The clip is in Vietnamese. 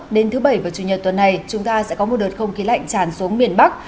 đến thứ bảy và chủ nhật tuần này chúng ta sẽ có một đợt không khí lạnh tràn xuống miền bắc